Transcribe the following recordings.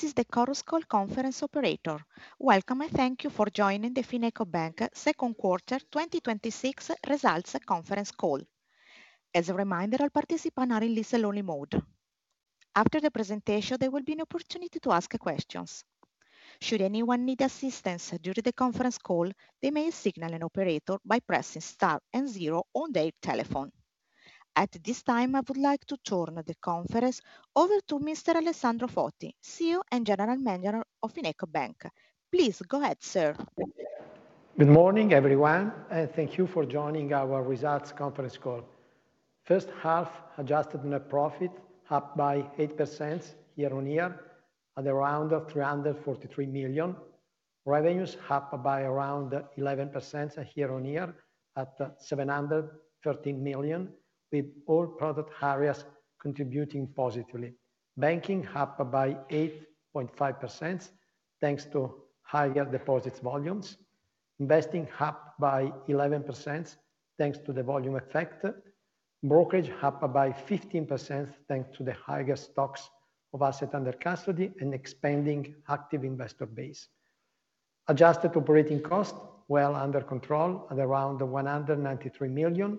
This is the Chorus Call conference operator. Welcome, and thank you for joining the FinecoBank Second Quarter 2026 Results Conference Call. As a reminder, all participants are in listen-only mode. After the presentation, there will be an opportunity to ask questions. Should anyone need assistance during the conference call, they may signal an operator by pressing star and zero on their telephone. At this time, I would like to turn the conference over to Mr. Alessandro Foti, CEO and General Manager of FinecoBank. Please go ahead, sir. Good morning, everyone. Thank you for joining our results conference call. First half adjusted net profit up by 8% year-on-year at around 343 million. Revenues up by around 11% year-on-year at 713 million, with all product areas contributing positively. Banking up by 8.5%, thanks to higher deposits volumes. Investing up by 11%, thanks to the volume effect. Brokerage up by 15%, thanks to the higher stocks of assets under custody and expanding active investor base. Adjusted operating cost well under control at around 193 million,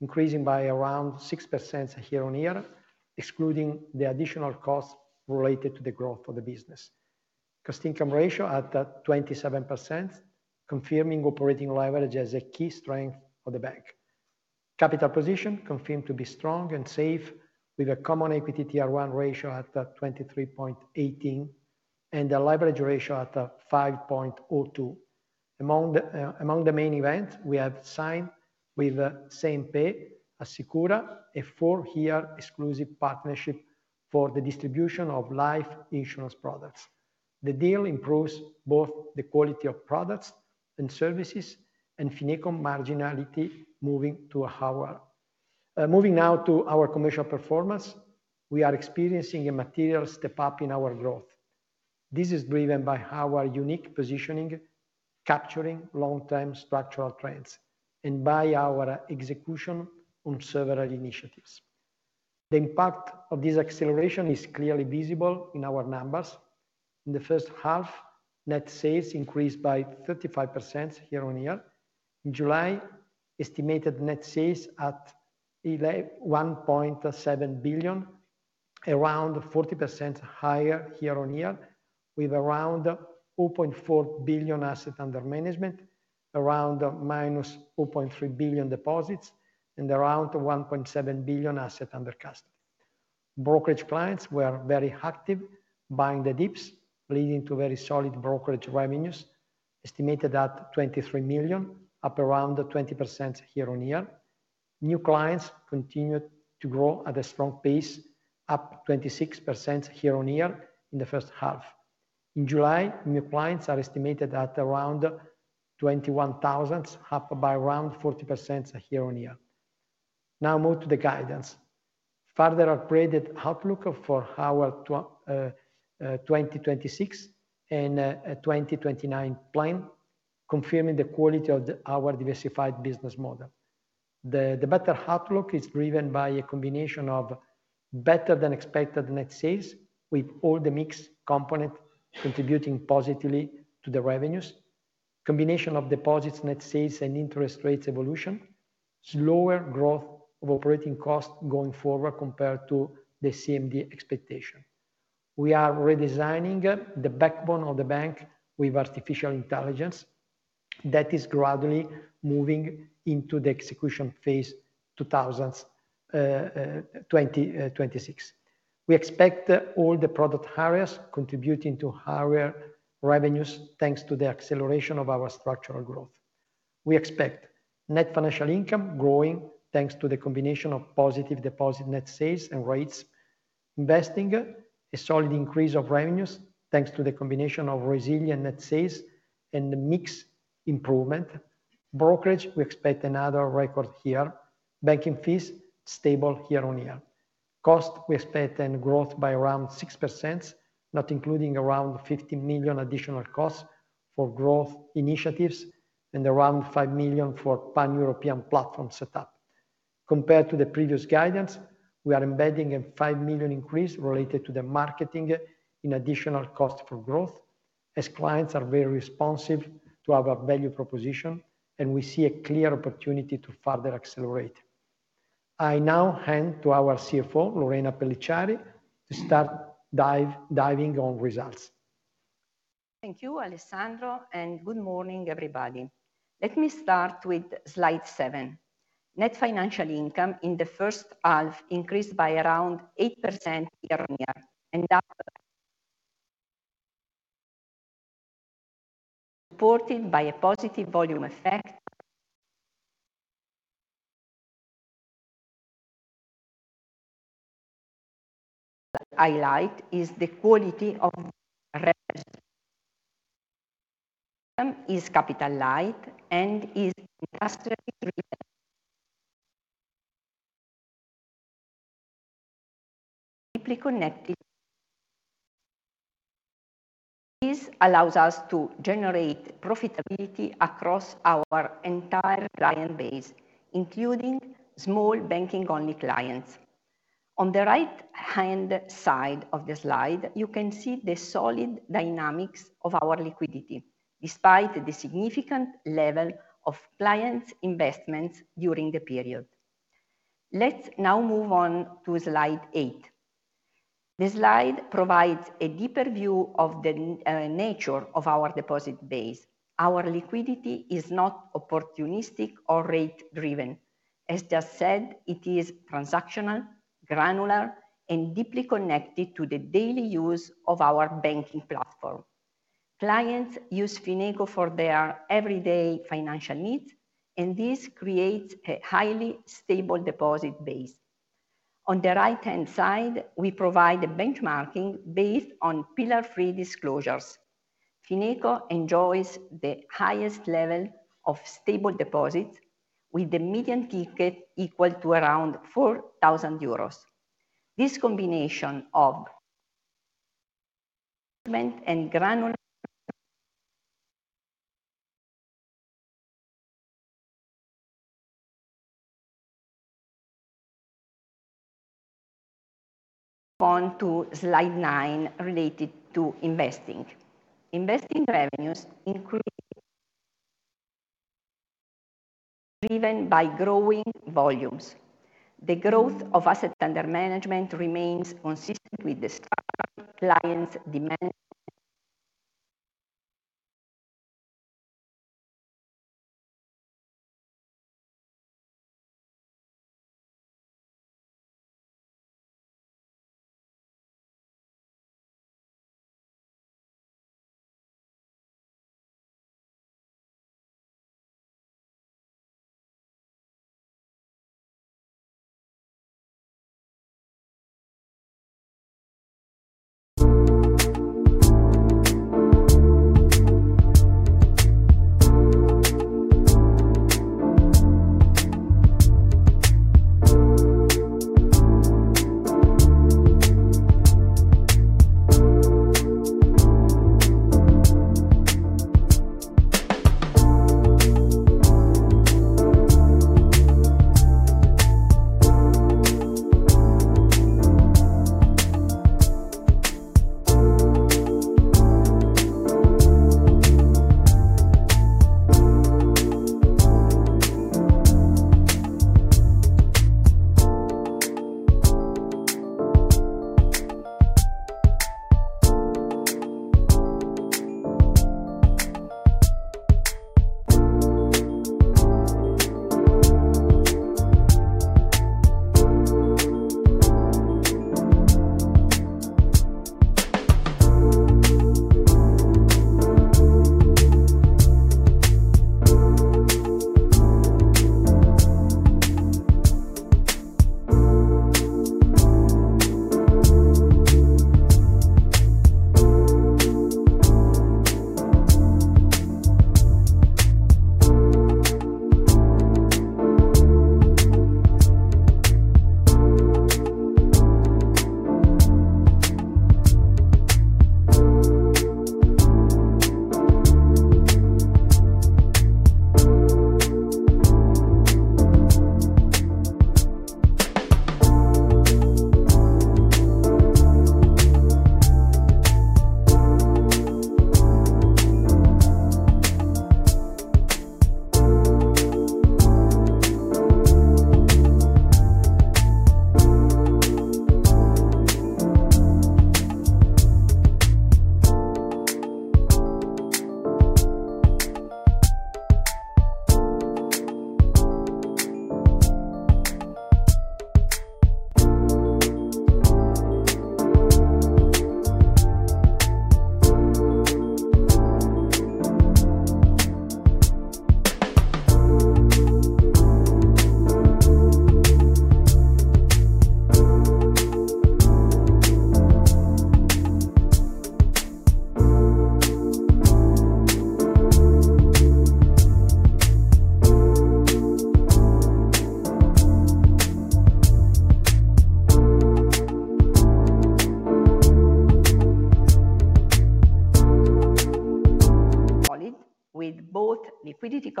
increasing by around 6% year-on-year, excluding the additional costs related to the growth of the business. Cost-income ratio at 27%, confirming operating leverage as a key strength for the bank. Capital position confirmed to be strong and safe with a common equity Tier 1 ratio at 23.18%, and a leverage ratio at 5.02%. Among the main events, we have signed with CNP Assicura a four-year exclusive partnership for the distribution of life insurance products. The deal improves both the quality of products and services, and Fineco marginality. Moving now to our commercial performance, we are experiencing a material step-up in our growth. This is driven by our unique positioning, capturing long-term structural trends, and by our execution on several initiatives. The impact of this acceleration is clearly visible in our numbers. In the first half, net sales increased by 35% year-on-year. In July, estimated net sales at 1.7 billion, around 40% higher year-on-year, with around 2.4 billion assets under management, around -2.3 billion deposits, and around 1.7 billion assets under custody. Brokerage clients were very active buying the dips, leading to very solid brokerage revenues, estimated at 23 million, up around 20% year-on-year. New clients continued to grow at a strong pace, up 26% year-on-year in the first half. In July, new clients are estimated at around 21,000, up by around 40% year-on-year. Now more to the guidance. Further upgraded outlook for our 2026 and 2029 plan, confirming the quality of our diversified business model. The better outlook is driven by a combination of better than expected net sales, with all the mix component contributing positively to the revenues. Combination of deposits, net sales, and interest rates evolution. Slower growth of operating costs going forward compared to the CMD expectation. We are redesigning the backbone of the bank with artificial intelligence that is gradually moving into the execution phase 2026. We expect all the product areas contributing to higher revenues, thanks to the acceleration of our structural growth. We expect net financial income growing, thanks to the combination of positive deposit net sales and rates. Investing, a solid increase of revenues, thanks to the combination of resilient net sales and the mix improvement. Brokerage, we expect another record here. Banking fees, stable year-on-year. Cost, we expect a growth by around 6%, not including around 15 million additional costs for growth initiatives and around 5 million for pan-European platform set up. Compared to the previous guidance, we are embedding a 5 million increase related to the marketing in additional cost for growth, as clients are very responsive to our value proposition, and we see a clear opportunity to further accelerate. I now hand to our CFO, Lorena Pelliciari, to start diving on results. Thank you, Alessandro, good morning, everybody. Let me start with slide seven. Net financial income in the first half increased by around 8% year-on-year, that supported by a positive volume effect. Highlight is the quality of our revenue, is capital light and is industrially driven, deeply connected. This allows us to generate profitability across our entire client base, including small banking-only clients. On the right-hand side of the slide, you can see the solid dynamics of our liquidity, despite the significant level of clients' investments during the period. Let's now move on to slide eight. This slide provides a deeper view of the nature of our deposit base. Our liquidity is not opportunistic or rate driven. As just said, it is transactional, granular, and deeply connected to the daily use of our banking platform. Clients use Fineco for their everyday financial needs, and this creates a highly stable deposit base. On the right-hand side, we provide a benchmarking based on Pillar 3 disclosures. Fineco enjoys the highest level of stable deposits, with the median ticket equal to around 4,000 euros. On to slide nine related to investing. Investing revenues increased driven by growing volumes. The growth of assets under management remains consistent with the strong client demand.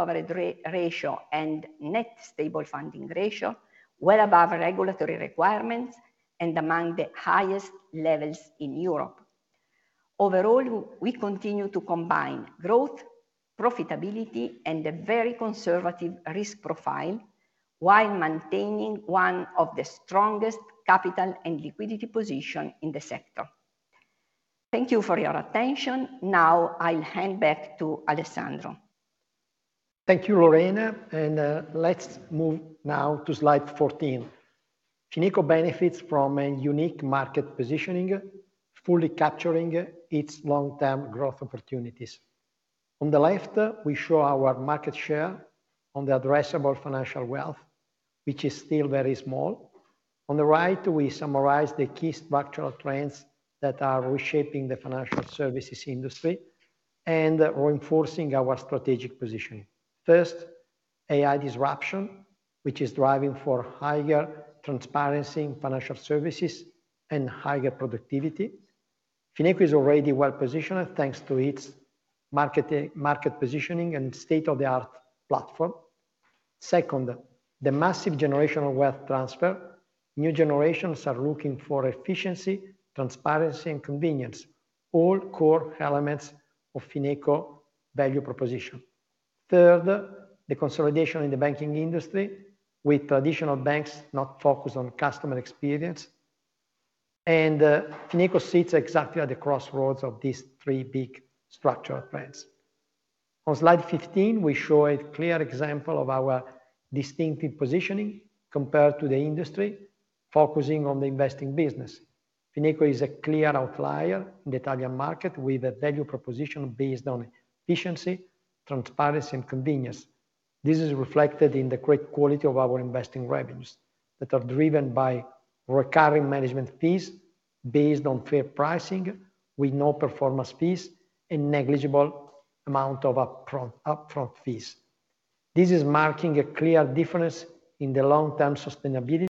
Solid, with both liquidity coverage ratio and net stable funding ratio well above regulatory requirements and among the highest levels in Europe. Overall, we continue to combine growth, profitability, and a very conservative risk profile while maintaining one of the strongest capital and liquidity position in the sector. Thank you for your attention. Now I'll hand back to Alessandro. Thank you, Lorena. Let's move now to slide 14. Fineco benefits from a unique market positioning, fully capturing its long-term growth opportunities. On the left, we show our market share on the addressable financial wealth, which is still very small. On the right, we summarize the key structural trends that are reshaping the financial services industry and reinforcing our strategic positioning. First, AI disruption, which is driving for higher transparency in financial services and higher productivity. Fineco is already well-positioned, thanks to its market positioning and state-of-the-art platform. Second, the massive generational wealth transfer. New generations are looking for efficiency, transparency, and convenience, all core elements of Fineco value proposition. Third, the consolidation in the banking industry, with traditional banks not focused on customer experience. Fineco sits exactly at the crossroads of these three big structural trends. On slide 15, we show a clear example of our distinctive positioning compared to the industry, focusing on the investing business. Fineco is a clear outlier in the Italian market, with a value proposition based on efficiency, transparency, and convenience. This is reflected in the great quality of our investing revenues that are driven by recurring management fees based on fair pricing, with no performance fees, and negligible amount of upfront fees. This is marking a clear difference in the long-term sustainability.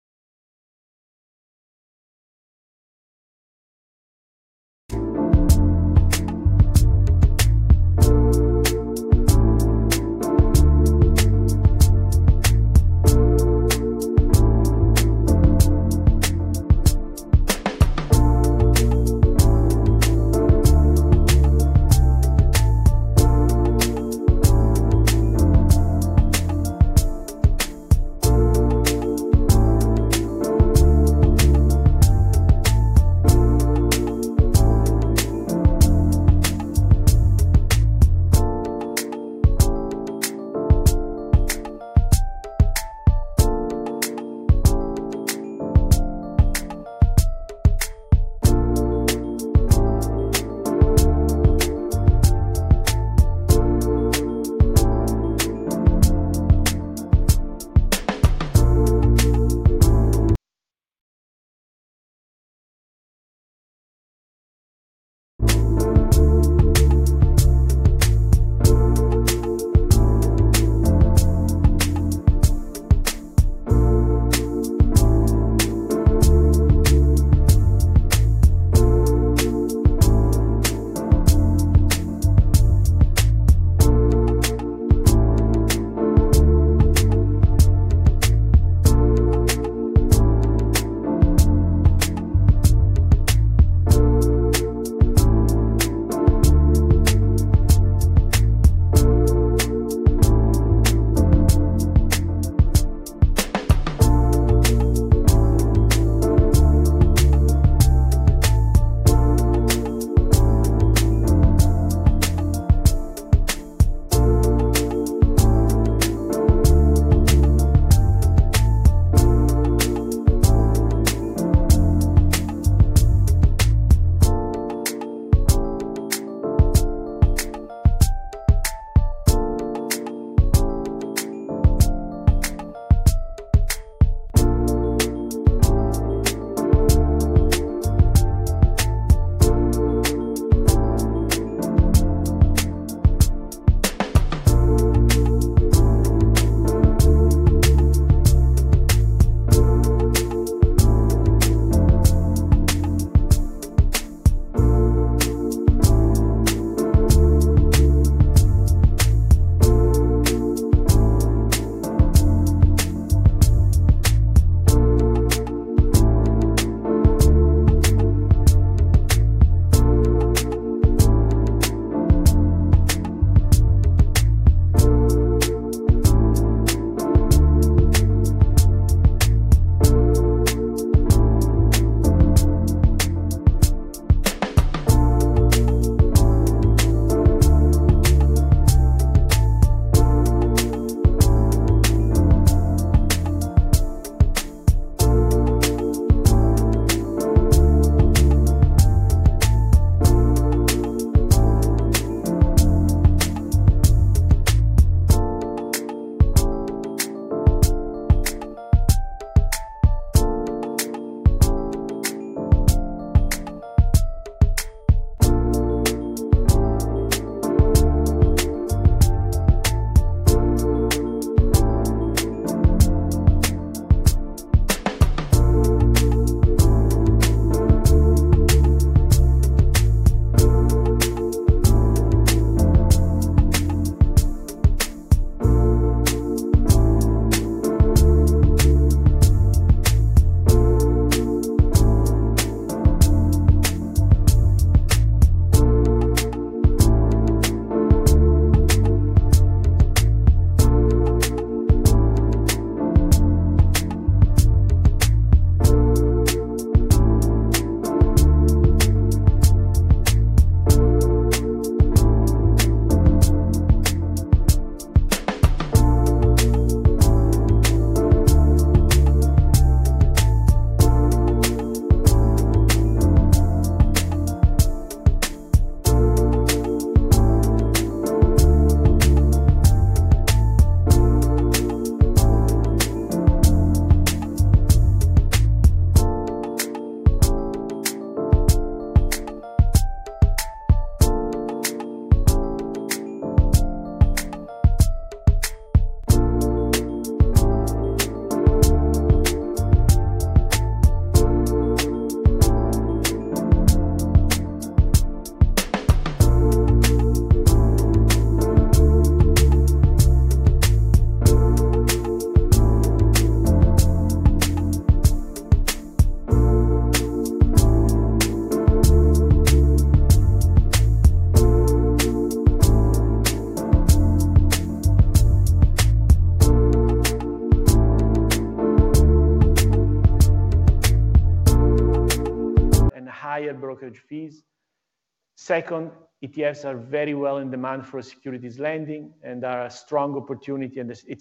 Higher brokerage fees. Second, ETFs are very well in demand for securities lending and it's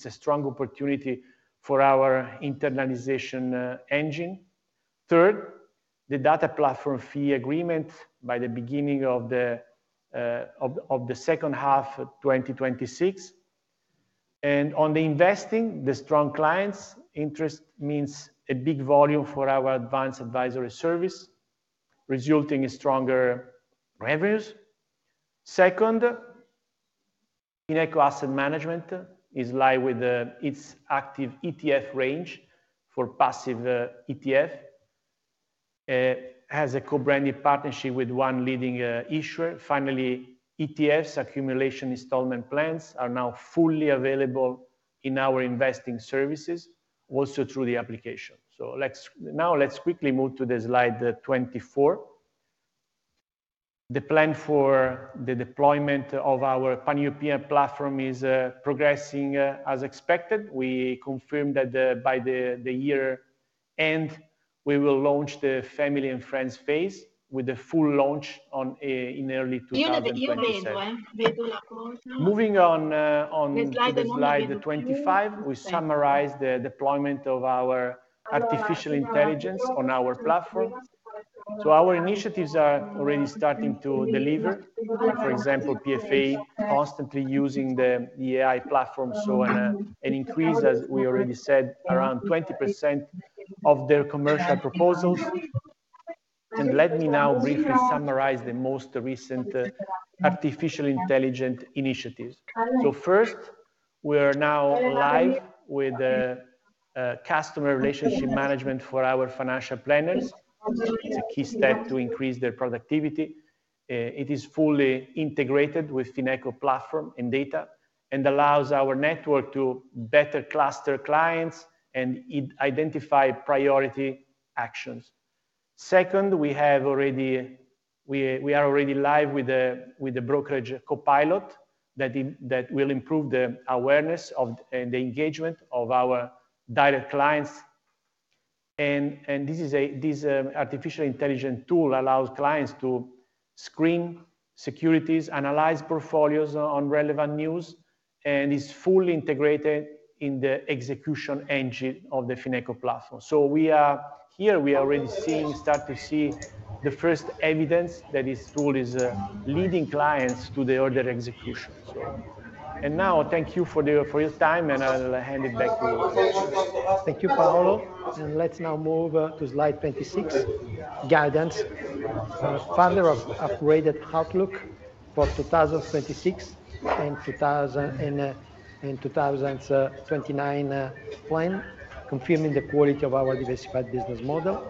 a strong opportunity for our internalization engine. Third, the data platform fee agreement by the beginning of the second half of 2026. On the investing, the strong clients interest means a big volume for our advanced advisory service, resulting in stronger revenues. Second, Fineco Asset Management is live with its active ETF range for passive ETF, has a co-branded partnership with one leading issuer. Finally, ETFs accumulation installment plans are now fully available in our investing services, also through the application. Now let's quickly move to the slide 24. The plan for the deployment of our pan-European platform is progressing as expected. We confirm that by the year end, we will launch the family and friends phase with the full launch in early 2027. Moving on to the slide 25, we summarize the deployment of our artificial intelligence on our platform. Our initiatives are already starting to deliver. For example, PFA constantly using the AI platform. An increase, as we already said, around 20% of their commercial proposals. Let me now briefly summarize the most recent artificial intelligent initiatives. First, we are now live with customer relationship management for our financial planners. It's a key step to increase their productivity. It is fully integrated with Fineco platform and data and allows our network to better cluster clients and identify priority actions. Second, we are already live with the Brokerage Copilot that will improve the awareness and the engagement of our direct clients. This artificial intelligence tool allows clients to screen securities, analyze portfolios on relevant news, and is fully integrated in the execution engine of the Fineco platform. Here, we already start to see the first evidence that this tool is leading clients to the order execution. Now, thank you for your time, and I'll hand it back to you, Alessandro. Thank you, Paolo. Let's now move to slide 26, guidance. Further upgraded outlook for 2026 and 2029 plan, confirming the quality of our diversified business model.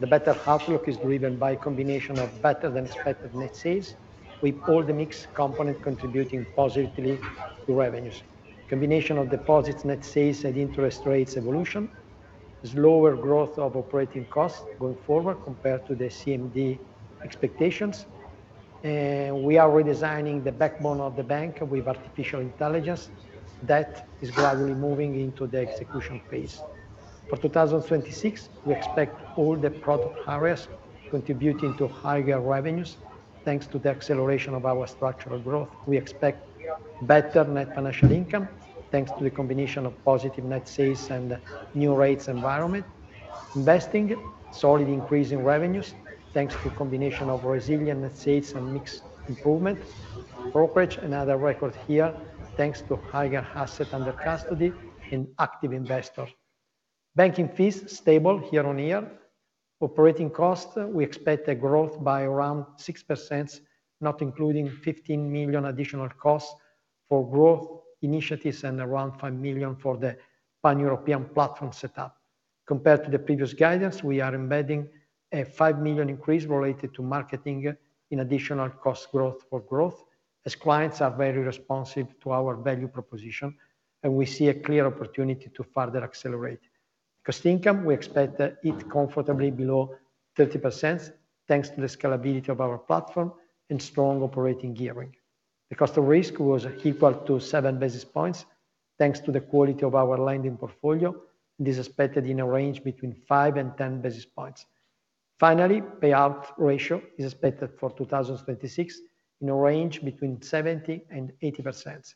The better outlook is driven by a combination of better-than-expected net sales, with all the mix component contributing positively to revenues. Combination of deposits, net sales, and interest rates evolution is lower growth of operating costs going forward compared to the CMD expectations. We are redesigning the backbone of the bank with artificial intelligence that is gradually moving into the execution phase. For 2026, we expect all the product areas contributing to higher revenues, thanks to the acceleration of our structural growth. We expect better net financial income, thanks to the combination of positive net sales and new rates environment. Investing, solid increase in revenues, thanks to combination of resilient net sales and mix improvement. Brokerage, another record here, thanks to higher assets under custody and active investors. Banking fees, stable year-over-year. Operating costs, we expect a growth by around 6%, not including 15 million additional costs for growth initiatives and around 5 million for the pan-European platform set up. Compared to the previous guidance, we are embedding a 5 million increase related to marketing in additional cost growth for growth as clients are very responsive to our value proposition, and we see a clear opportunity to further accelerate. Cost income, we expect it comfortably below 30% thanks to the scalability of our platform and strong operating gearing. The cost of risk was equal to 7 basis points, thanks to the quality of our lending portfolio, and is expected in a range between 5 and 10 basis points. Finally, payout ratio is expected for 2026 in a range between 70%-80%.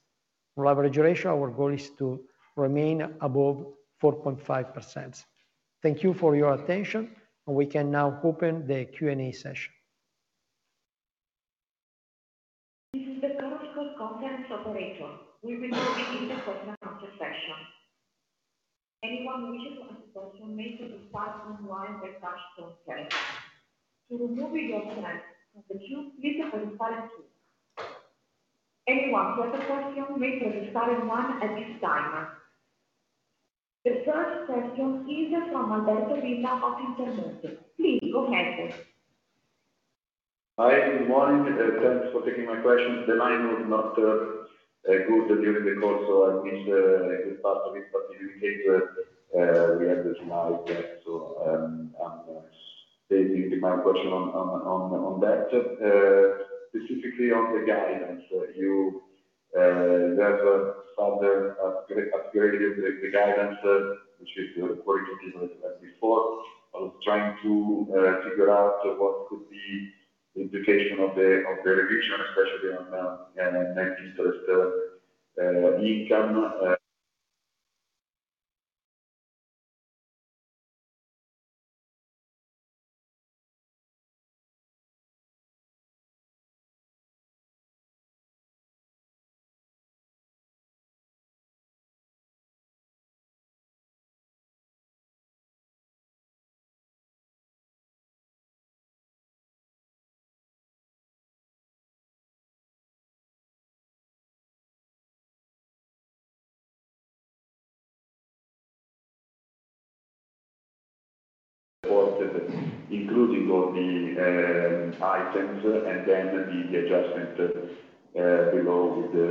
Leverage ratio, our goal is to remain above 4.5%. Thank you for your attention, we can now open the Q&A session. This is the Chorus Call conference operator. We will now begin the conference question session. Anyone who wishes to ask a question may do so by pressing one by touchtone key. To remove yourself from the queue, please press star two. Anyone with a question may press star one at this time. The first question is from Alberto Villa of Intermonte. Please go ahead. Hi, good morning. Thanks for taking my question. The line was not good during the call, so I missed a good part of it, but you came to it. We have the slides, so I am stating my question on that. Specifically on the guidance, you have further upgraded the guidance, which is qualitative as before. I was trying to figure out what could be the implication of the revision, especially on net interest income. Including all the items and then the adjustment below the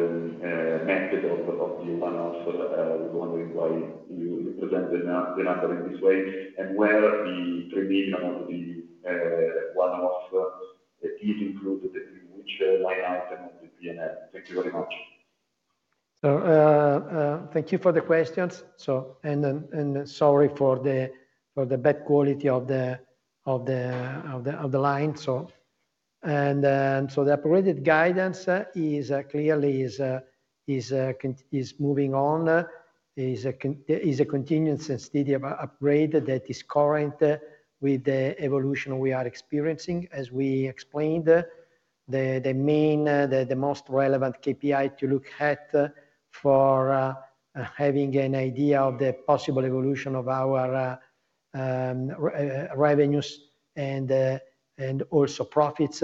method of the one-off. I was wondering why you present the matter in this way, and where the 3 million of the one-off is included, in which line item of the P&L. Thank you very much. Thank you for the questions, and sorry for the bad quality of the line. The upgraded guidance clearly is moving on, is a continuous and steady upgrade that is current with the evolution we are experiencing. As we explained, the most relevant KPI to look at for having an idea of the possible evolution of our revenues and also profits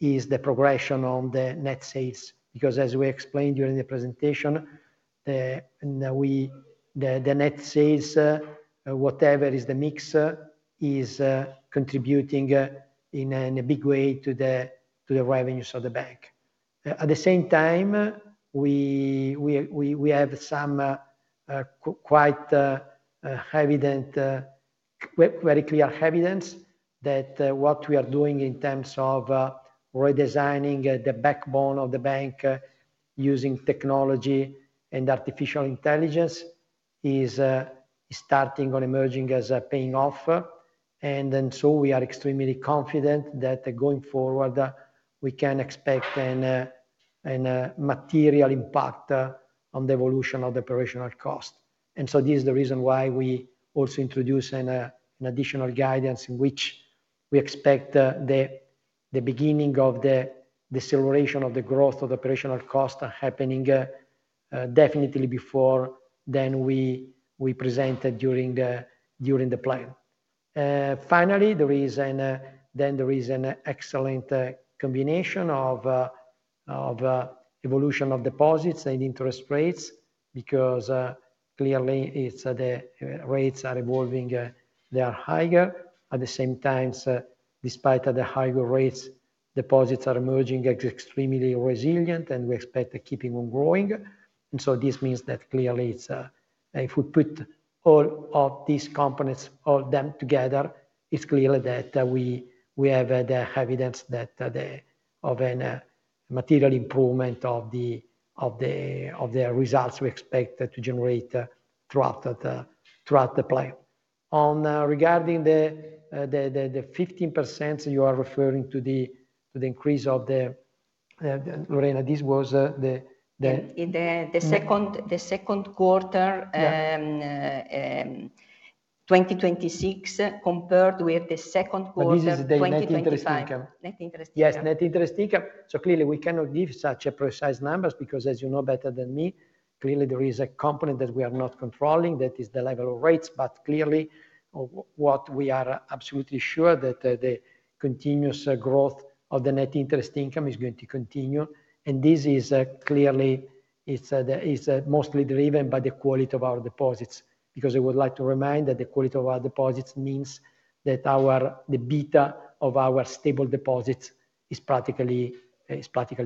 is the progression on the net sales. As we explained during the presentation, the net sales, whatever is the mix, is contributing in a big way to the revenues of the bank. At the same time, we have some quite clear evidence that what we are doing in terms of redesigning the backbone of the bank using technology and artificial intelligence is starting or emerging as paying off. We are extremely confident that going forward, we can expect a material impact on the evolution of the operational cost. This is the reason why we also introduce an additional guidance in which we expect the beginning of the deceleration of the growth of operational cost happening definitely before than we presented during the plan. Finally, there is an excellent combination of evolution of deposits and interest rates, clearly the rates are evolving, they are higher. At the same time, despite the higher rates, deposits are emerging as extremely resilient, and we expect they are keeping on growing. This means that if we put all of these components, all of them together, it is clear that we have the evidence of a material improvement of the results we expect to generate throughout the plan. Regarding the 15% you are referring to the increase of the, Lorena, this was. In the second quarter. Yeah. 2026 compared with the second quarter 2025. This is the net interest income. Net interest income. Yes, net interest income. Clearly we cannot give such precise numbers because as you know better than me, clearly there is a component that we are not controlling. That is the level of rates, clearly what we are absolutely sure that the continuous growth of the net interest income is going to continue, and this is clearly mostly driven by the quality of our deposits. I would like to remind that the quality of our deposits means that the beta of our stable deposits is practically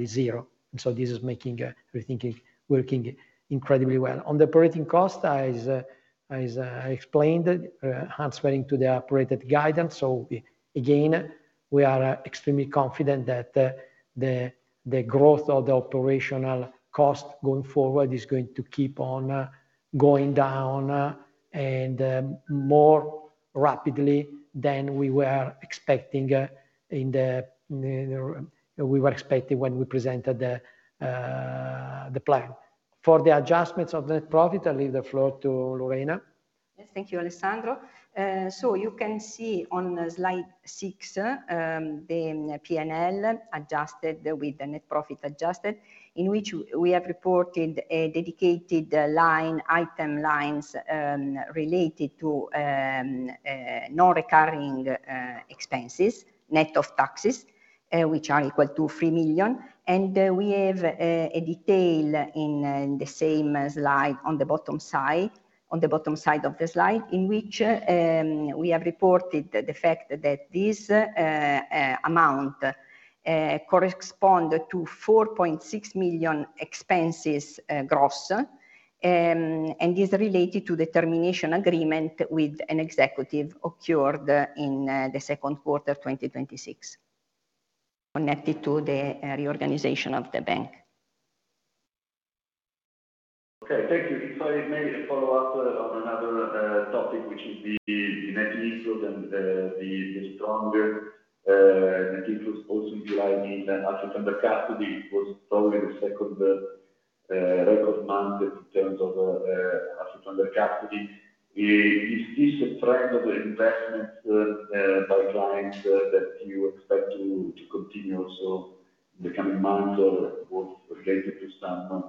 zero. This is making everything working incredibly well. On the operating cost, as explained, answering to the operating guidance. Again, we are extremely confident that the growth of the operational cost going forward is going to keep on going down, and more rapidly than we were expecting when we presented the plan. For the adjustments of net profit, I leave the floor to Lorena. Thank you, Alessandro. You can see on slide six, the P&L adjusted with the net profit adjusted, in which we have reported a dedicated line item, lines related to non-recurring expenses, net of taxes, which are equal to 3 million. We have a detail in the same slide on the bottom side of the slide, in which we have reported the fact that this amount correspond to 4.6 million expenses gross, and is related to the termination agreement with an executive occurred in the second quarter 2026, connected to the reorganization of the bank. Okay. Thank you. If I may follow up on another topic, which is the net inflows and the stronger net inflows also deriving in asset under custody. It was probably the second record month in terms of asset under custody. Is this a trend of investment by clients that you expect to continue also in the coming months, or was related to some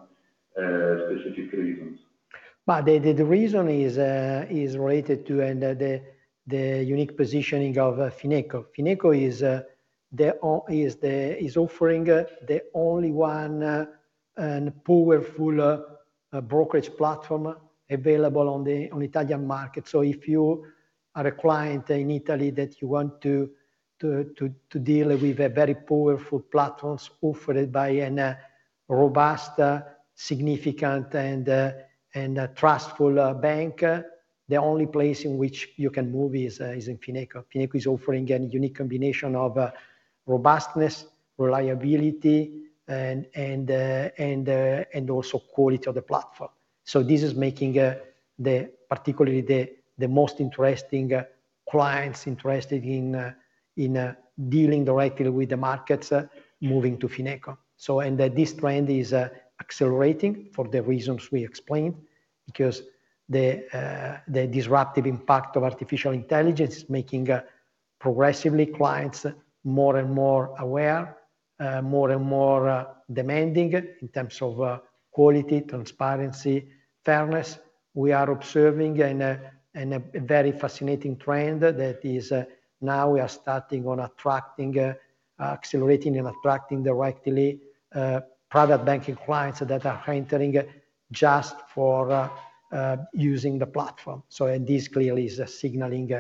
specific reasons? The reason is related to the unique positioning of Fineco. Fineco is offering the only one powerful brokerage platform available on Italian market. If you are a client in Italy that you want to deal with a very powerful platforms offered by an robust, significant, and trustful bank, the only place in which you can move is in Fineco. Fineco is offering a unique combination of robustness, reliability, and also quality of the platform. This is making particularly the most interesting clients interested in dealing directly with the markets, moving to Fineco. This trend is accelerating for the reasons we explained, because the disruptive impact of artificial intelligence is making progressively clients more and more aware, more and more demanding in terms of quality, transparency, fairness. We are observing a very fascinating trend that is now we are starting on accelerating and attracting directly private banking clients that are entering just for using the platform. This clearly is signaling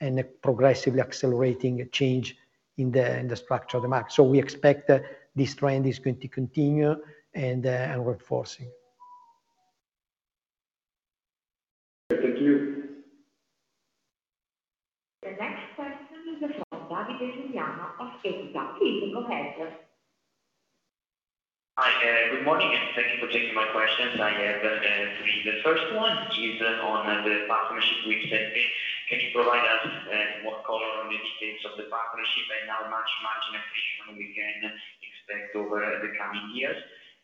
a progressively accelerating change in the structure of the market. We expect that this trend is going to continue and reinforcing. Thank you. The next question is from Davide Giuliano of Equita. Please go ahead. Hi, good morning. Thank you for taking my questions. I have three. The first one is on the partnership with CNP. Can you provide us more color on the details of the partnership, and how much margin expansion we can expect over the coming years?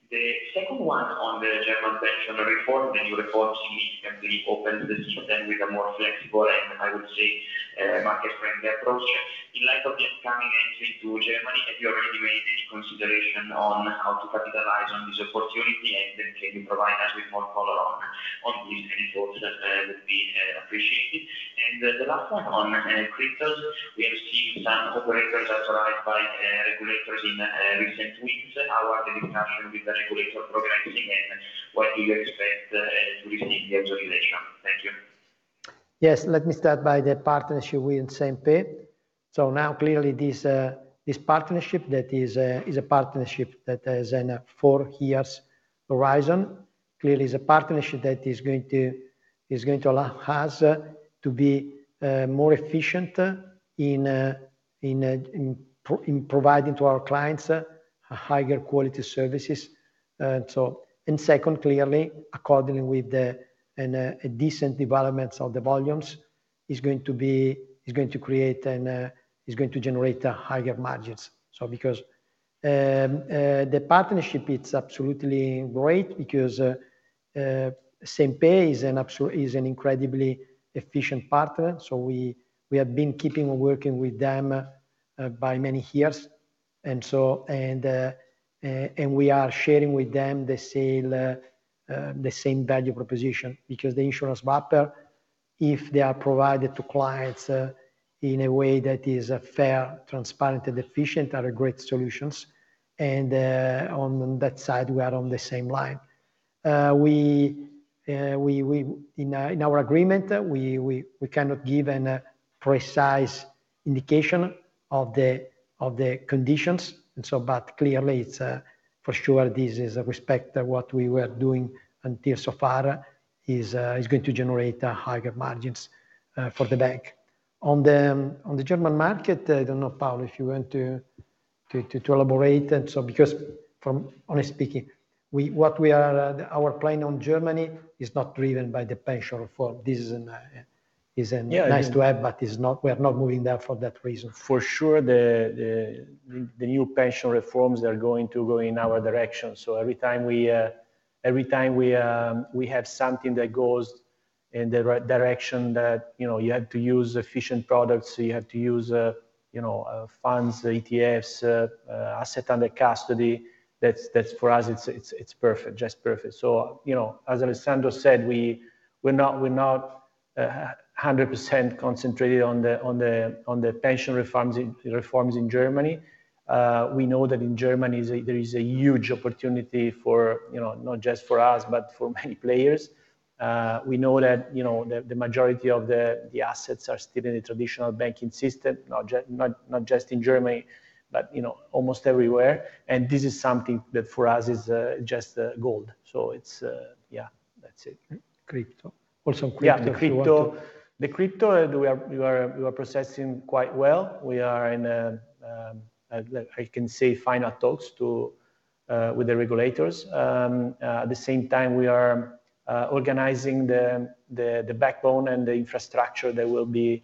The second one on the German pension reform. The new reform significantly opens the system with a more flexible, and I would say, market-friendly approach. In light of the upcoming entry to Germany, have you already made any consideration on how to capitalize on this opportunity, and can you provide us with more color on this report? That would be appreciated. The last one on cryptos. We have seen some operators authorized by regulators in recent weeks. How are the discussions with the regulator progressing, and when do you expect to receive the authorization? Thank you. Yes. Let me start by the partnership with CNP. Clearly, this partnership that has a four years horizon, clearly is a partnership that is going to allow us to be more efficient in providing to our clients a higher quality services. Second, clearly, accordingly with a decent development of the volumes, is going to generate higher margins. Because the partnership, it's absolutely great because CNP is an incredibly efficient partner. We have been keeping working with them by many years. We are sharing with them the same value proposition because the insurance wrapper, if they are provided to clients in a way that is fair, transparent, and efficient, are great solutions. On that side, we are on the same line. In our agreement, we cannot give a precise indication of the conditions. Clearly, for sure, this is respect what we were doing until so far, is going to generate higher margins for the bank. On the German market, I don't know, Paolo, if you want to elaborate. From, honestly speaking, our plan on Germany is not driven by the pension reform. Is nice to have, but we are not moving there for that reason. For sure, the new pension reforms are going to go in our direction. Every time we have something that goes in the right direction that you have to use efficient products, you have to use funds, ETFs, asset under custody, that for us, it's perfect. Just perfect. As Alessandro said, we're not 100% concentrated on the pension reforms in Germany. We know that in Germany, there is a huge opportunity, not just for us, but for many players. We know that the majority of the assets are still in the traditional banking system, not just in Germany, but almost everywhere. This is something that for us is just gold. Yeah. That's it. Crypto. Also crypto, if you want to. Yeah, the crypto, we are progressing quite well. We are in, I can say final talks with the regulators. At the same time, we are organizing the backbone and the infrastructure that will be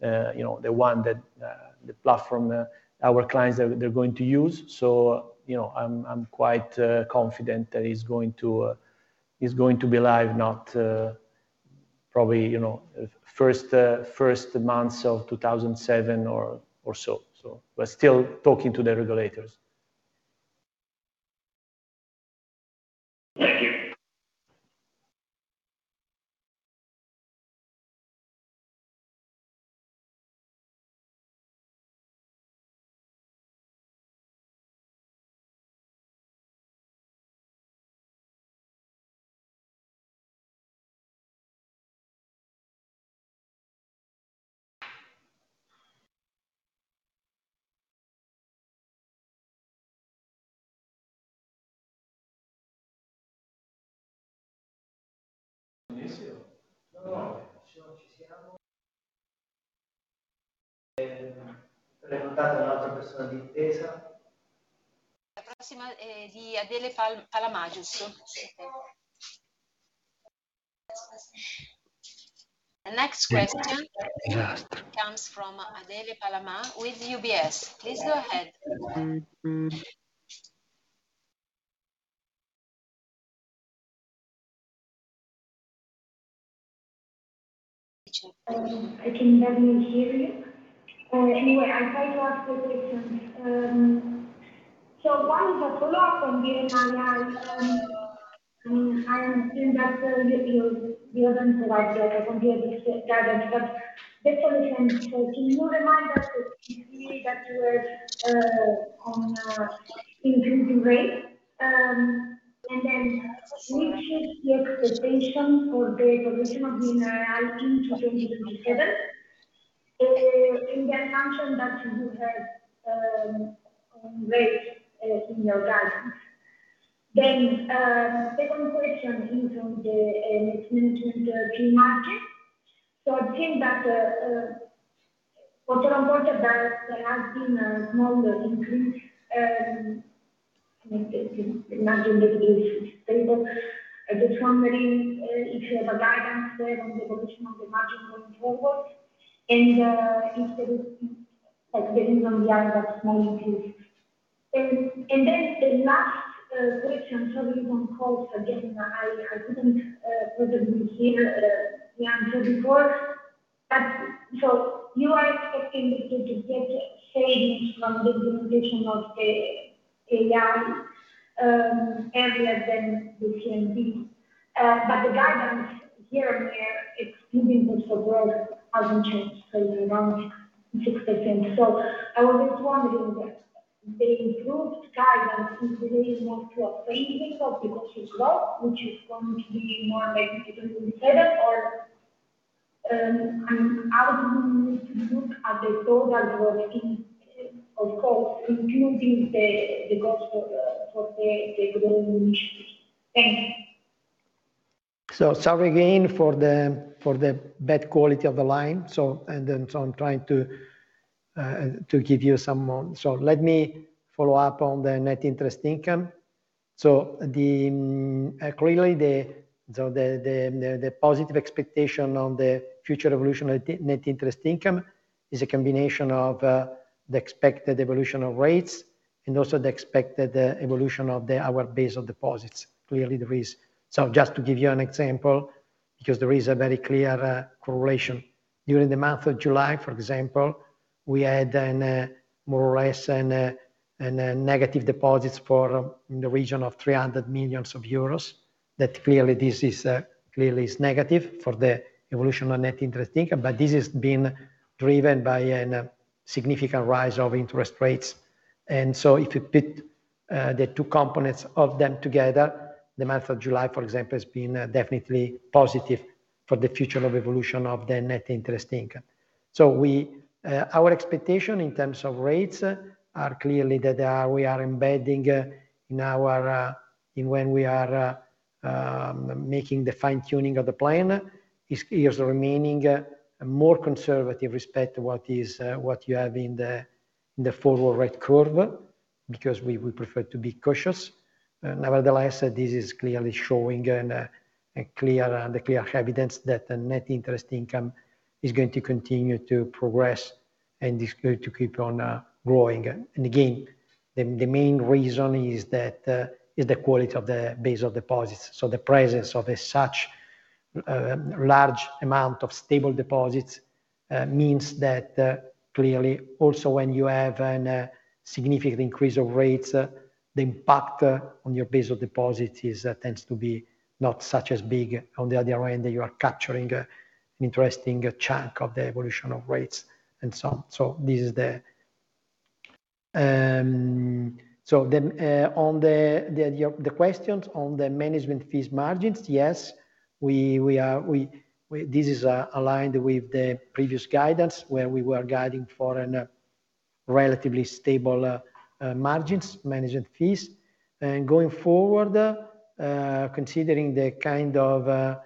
the platform our clients they're going to use. I'm quite confident that it's going to be live, probably first months of 2027 or so. We're still talking to the regulators. Thank you. The next question comes from Adele Palamà with UBS. Please go ahead. I can barely hear you. Anyway, I try to ask the questions. One is a follow-up on NII. I understand that you haven't provided NII guidance, but just a question. Can you remind us the NII that you had on improving rates? What is the expectation for the evolution of NII in 2027, in the assumption that you have rates in your guidance? Second question is on the net interest margin. I think that what you reported that there has been a small increase, margin stability. I'm just wondering if you have a guidance there on the evolution of the margin going forward, and if there is like the reason behind that small increase. The last question, sorry, one call for getting NII. I didn't probably hear the answer before, but so you are expecting to get savings from the implementation of AI earlier than we've seen before. The guidance year-on-year, it's keeping social growth hasn't changed, staying around 6%. I was just wondering that the improved guidance is really more to a saving of because of growth, which is going to be more maybe 2027, or how do you look at the total growth in of course, including the growth for the global initiatives? Thanks. Sorry again for the bad quality of the line. I'm trying to give you some more. Let me follow up on the net interest income. Clearly, the positive expectation on the future evolution of net interest income is a combination of the expected evolution of rates and also the expected evolution of our base of deposits. Clearly, there is. Just to give you an example, because there is a very clear correlation. During the month of July, for example, we had more or less a negative deposits for in the region of 300 million euros. That clearly is negative for the evolution of net interest income, but this has been driven by a significant rise of interest rates. If you put the two components of them together, the month of July, for example, has been definitely positive for the future of evolution of the net interest income. Our expectation in terms of rates are clearly that we are embedding when we are making the fine-tuning of the plan, is remaining more conservative respect to what you have in the forward rate curve, because we prefer to be cautious. Nevertheless, this is clearly showing the clear evidence that the net interest income is going to continue to progress, and is going to keep on growing. Again, the main reason is the quality of the base of deposits. The presence of such a large amount of stable deposits means that clearly also when you have a significant increase of rates, the impact on your base of deposits tends to be not such as big. On the other end, you are capturing an interesting chunk of the evolution of rates and so on. On the questions on the management fees margins, yes, this is aligned with the previous guidance where we were guiding for relatively stable margins, management fees. Going forward, considering the kind of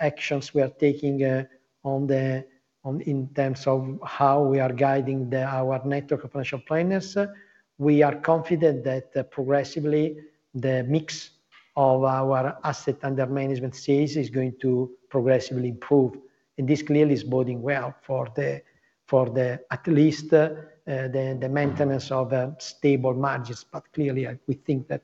actions we are taking in terms of how we are guiding our network of financial planners, we are confident that progressively the mix of our asset under management fees is going to progressively improve. This clearly is boding well for at least the maintenance of stable margins. Clearly, we think that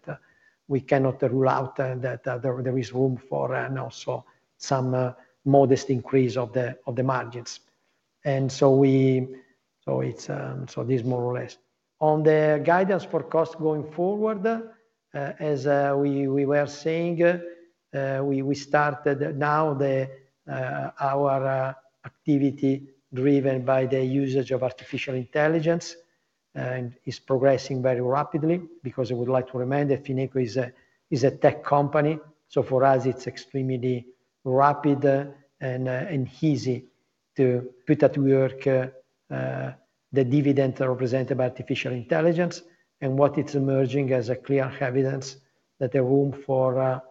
we cannot rule out that there is room for also some modest increase of the margins. This is more or less. On the guidance for costs going forward, as we were saying, we started now our activity driven by the usage of Artificial Intelligence, and is progressing very rapidly because I would like to remind that Fineco is a tech company. For us, it's extremely rapid and easy to put to work the dividend represented by Artificial Intelligence, and what it's emerging as clear evidence that the room for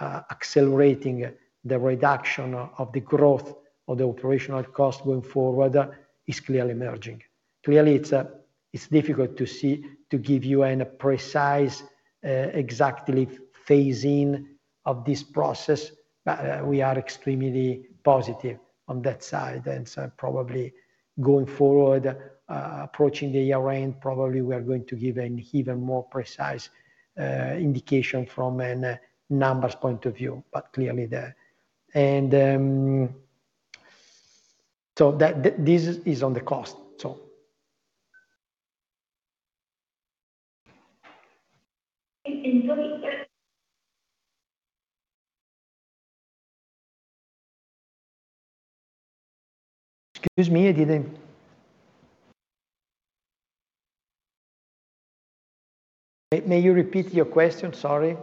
accelerating the reduction of the growth of the operational cost going forward is clearly emerging. Clearly, it's difficult to give you a precise, exactly phasing of this process, but we are extremely positive on that side. Probably going forward, approaching the year end, probably we are going to give an even more precise indication from a numbers point of view. This is on the cost. Excuse me. May you repeat your question? Sorry.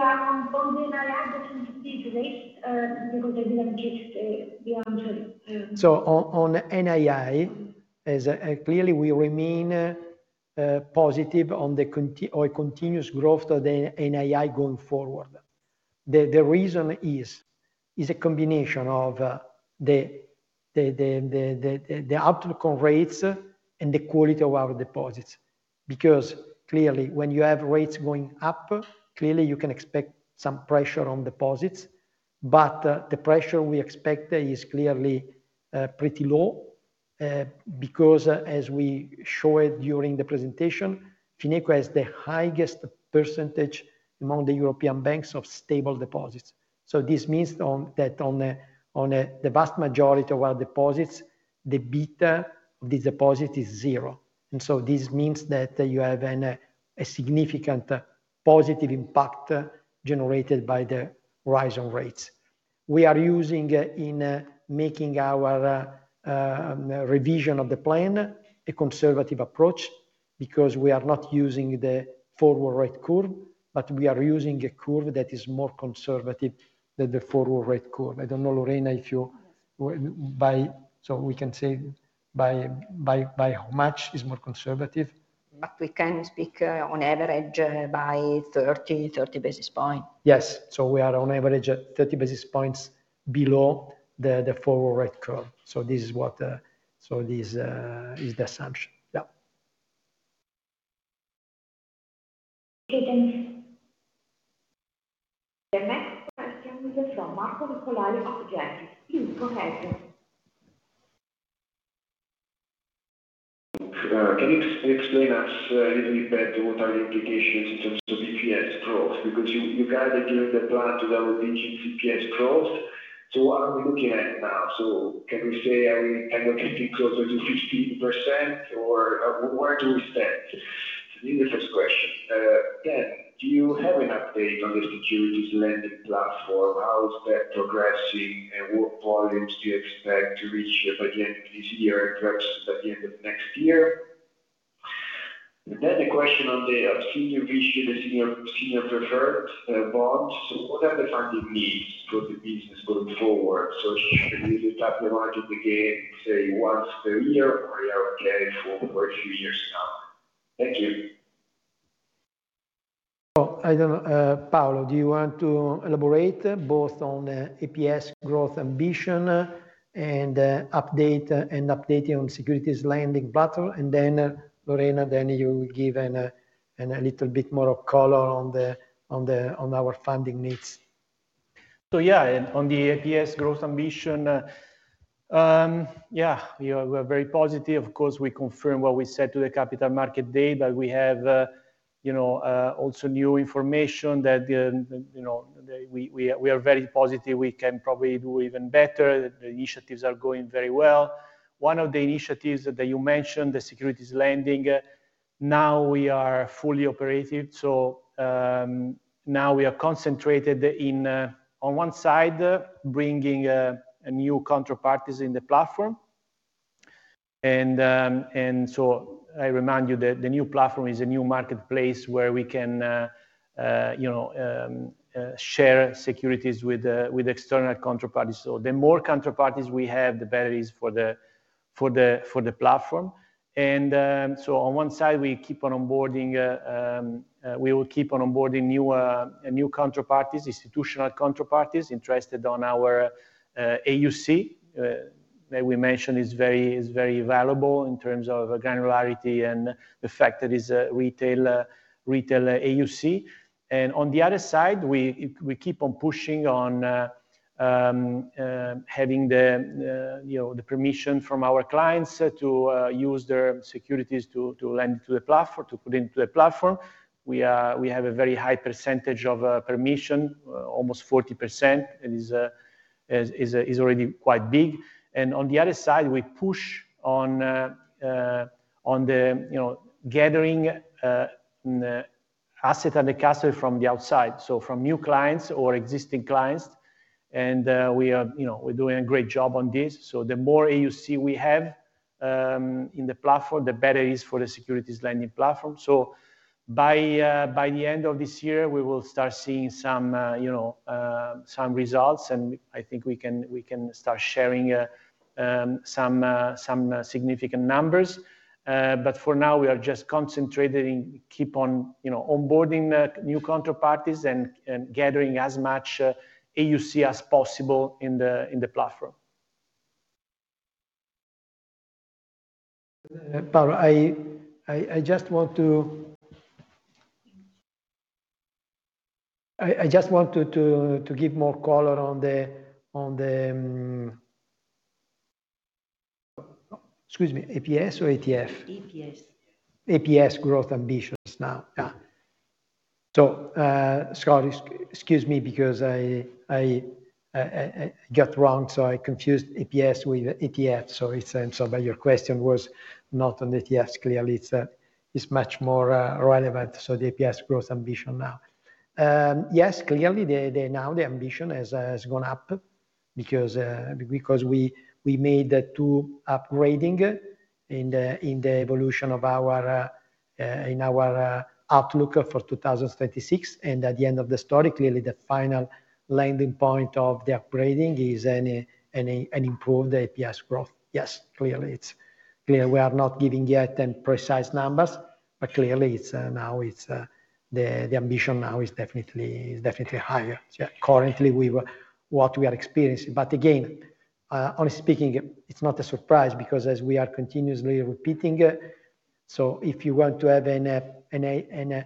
On the NII, I didn't see the rates, because I didn't catch the answer. On NII, clearly we remain positive on a continuous growth of the NII going forward. The reason is a combination of the outlook on rates, and the quality of our deposits. Clearly when you have rates going up, clearly you can expect some pressure on deposits. The pressure we expect is clearly pretty low, because as we showed during the presentation, Fineco has the highest percentage among the European banks of stable deposits. This means that on the vast majority of our deposits, the beta of the deposit is zero. This means that you have a significant positive impact generated by the rise on rates. We are using, in making our revision of the plan, a conservative approach because we are not using the forward rate curve, but we are using a curve that is more conservative than the forward rate curve. I don't know, Lorena. We can say by how much it's more conservative? We can speak on average by 30 basis point. Yes. We are on average at 30 basis points below the forward rate curve. This is the assumption. Yeah. Okay, thanks. The next question is from Marco Nicolai of Jefferies. Please go ahead. Can you explain us a little bit better what are the implications in terms of EPS growth? Because you guided during the plan to double-digit EPS growth. What are we looking at now? Can we say are we kind of getting closer to 15%, or where do we stand? This is the first question. Do you have an update on the securities lending platform? How is that progressing, and what volumes do you expect to reach by the end of this year versus at the end of next year? The question on the Senior Preferred bonds. What are the funding needs for the business going forward? Should we tap the market again, say once per year, or you are okay for a few years now? Thank you. I don't know, Paolo, do you want to elaborate both on BPS growth ambition, and update on securities lending platform? Then Lorena, then you will give a little bit more of color on our funding needs. Yeah, on the BPS growth ambition, we are very positive. Of course, we confirm what we said to the Capital Markets Day, we have also new information that we are very positive we can probably do even better. The initiatives are going very well. One of the initiatives that you mentioned, the securities lending, now we are fully operated. Now we are concentrated on one side, bringing new counterparties in the platform. I remind you that the new platform is a new marketplace where we can share securities with external counterparties. The more counterparties we have, the better it is for the platform. On one side, we will keep on onboarding new counterparties, institutional counterparties interested on our AUC, that we mentioned is very valuable in terms of granularity and the fact that it's a retail AUC. On the other side, we keep on pushing on having the permission from our clients to use their securities to lend to the platform, to put into the platform. We have a very high percentage of permission, almost 40%, it is already quite big. On the other side, we push on the gathering asset under custody from the outside. From new clients or existing clients, and we're doing a great job on this. The more AUC we have in the platform, the better it is for the securities lending platform. By the end of this year, we will start seeing some results, and I think we can start sharing some significant numbers. For now, we are just concentrating, keep on onboarding new counterparties and gathering as much AUC as possible in the platform. Paolo, I just want to give more color on the Excuse me, BPS or ETF? BPS. BPS growth ambitions now. Yeah. Scott, excuse me because I got wrong, I confused BPS with ETF, sorry about your question was not on ETF. Clearly it's much more relevant. The BPS growth ambition now. Clearly now the ambition has gone up because we made the two upgrading in the evolution in our outlook for 2026. At the end of the story, clearly the final landing point of the upgrading is an improved BPS growth. Clearly. It's clear we are not giving yet any precise numbers, clearly the ambition now is definitely higher. Yeah. Currently, what we are experiencing. Again, honestly speaking, it's not a surprise because as we are continuously repeating it, if you want to have a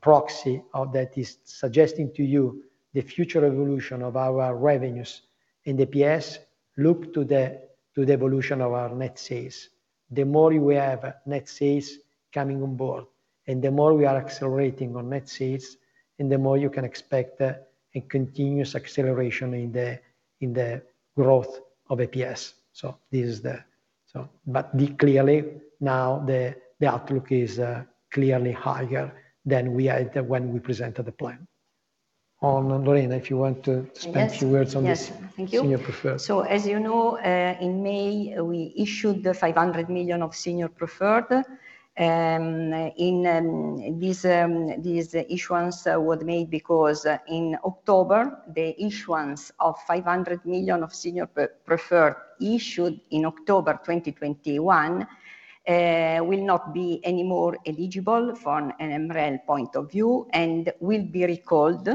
proxy that is suggesting to you the future evolution of our revenues in the BPS, look to the evolution of our net sales. The more we have net sales coming on board, the more we are accelerating on net sales, the more you can expect a continuous acceleration in the growth of BPS. This is that. Clearly now, the outlook is clearly higher than when we presented the plan. On, Lorena, if you want to spend a few words on this. Yes. Thank you. Senior Preferred. As you know, in May, we issued 500 million of Senior Preferred. These issuances were made because in October, the issuance of 500 million of Senior Preferred issued in October 2021, will not be any more eligible from an MREL point of view and will be recalled.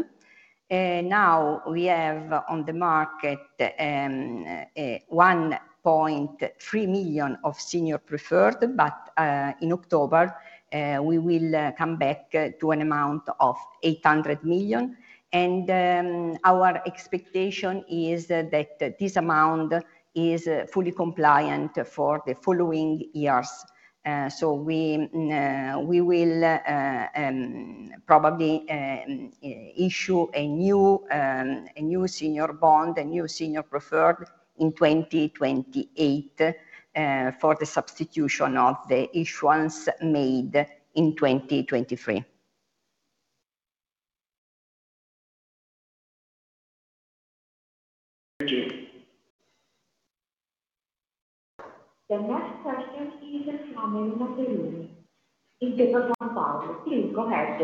Now we have on the market 1.3 billion of Senior Preferred, but in October, we will come back to an amount of 800 million. Our expectation is that this amount is fully compliant for the following years. We will probably issue a new senior bond, a new Senior Preferred in 2028, for the substitution of the issuances made in 2023. Regi. The next question is from Gian Ferrari in Mediobanca. Please go ahead.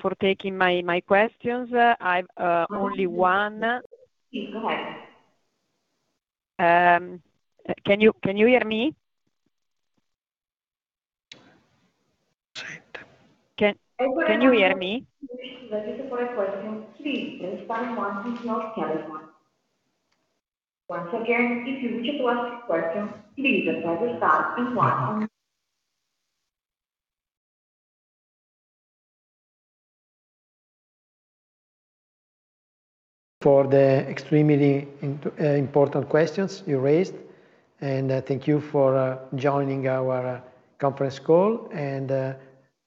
For taking my questions. I've only one. Please go ahead. Can you hear me? [inaudible] Can you hear me? Operator, we are not receiving the user for a question. Please press star and one to talk. Once again, if you wish to ask a question, please press the star and one on your For the extremely important questions you raised, and thank you for joining our conference call, and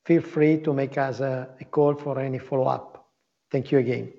feel free to make us a call for any follow-up. Thank you again.